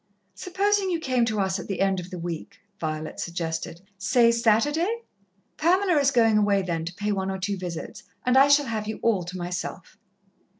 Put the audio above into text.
"Supposing you came to us at the end of the week?" Violet suggested. "Say Saturday. Pamela is going away then to pay one or two visits and I shall have you all to myself."